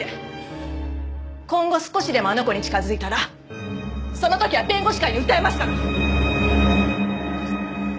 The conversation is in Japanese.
今後少しでもあの子に近づいたらその時は弁護士会に訴えますから。